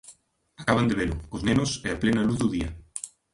Acaban de velo, cos nenos e a plena luz do día.